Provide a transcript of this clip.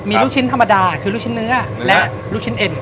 มีลูกชิ้นธรรมดาคือลูกชิ้นเนื้อและลูกชิ้นเอ็น